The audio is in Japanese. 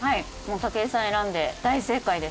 もう武井さん選んで大正解です。